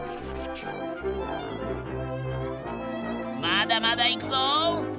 まだまだいくぞ！